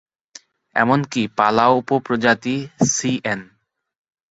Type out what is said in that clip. এমনকি পালাউ উপ-প্রজাতি সি এন।